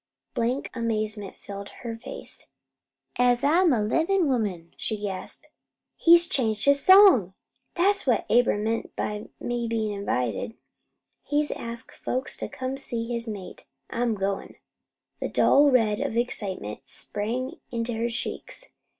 Blank amazement filled her face. "As I'm a livin' woman!" she gasped. "He's changed his song! That's what Abram meant by me bein' invited. He's askin' folks to see his mate. I'm goin'." The dull red of excitement sprang into her cheeks.